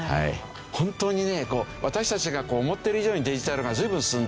本当にね私たちが思ってる以上にデジタル化が随分進んでる。